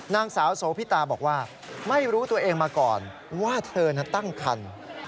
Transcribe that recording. นางสาวโสพิตาบอกว่าไม่รู้ตัวเองมาก่อนว่าเธอนั้นตั้งคัน